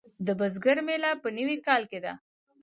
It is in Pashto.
د بزګر میله په نوي کال کې ده.